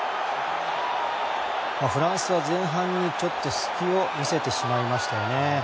フランスは前半に隙を見せてしまいましたね。